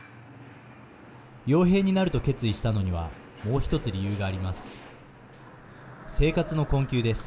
よう兵になると決意したのにはもう１つ理由があります。